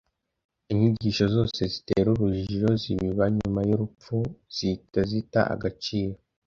Inyigisho zose zitera urujijo z’ibiba nyuma y’urupfu zihita zita agaciro